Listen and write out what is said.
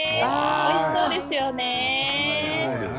おいしそうですよね。